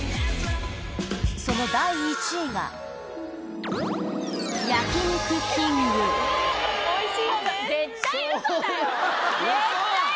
その第１位がおいしいよね！